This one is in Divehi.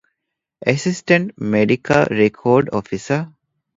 އެސިސްޓެންޓް މެޑިކަލް ރެކޯޑް އޮފިސަރ